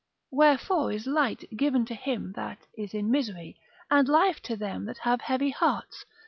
Wherefore is light given to him that is in misery, and life to them that have heavy hearts?